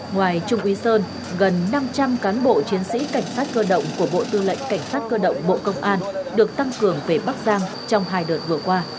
ngoài trung úy sơn gần năm trăm linh cán bộ chiến sĩ cảnh sát cơ động của bộ tư lệnh cảnh sát cơ động bộ công an được tăng cường về bắc giang trong hai đợt vừa qua